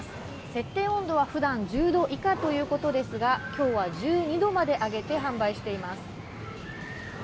設定温度は普段１０度以下ということですが今日は１２度まで上げて販売しています。